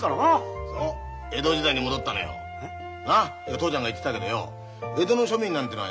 父ちゃんが言ってたけどよ江戸の庶民なんてのはよ